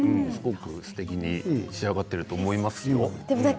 すてきに仕上がっていると思いますよ。